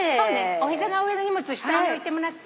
お膝の上の荷物下に置いてもらって。